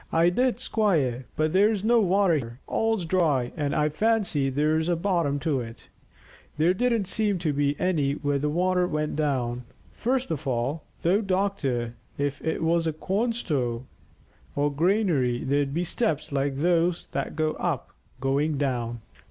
"I did, squire; but there's no water here. All's dry, and I fancy there's a bottom to it. There didn't seem to be any where the water went down. First of all, though, doctor, if it was a corn store or granary there'd be steps like those that go up, going down."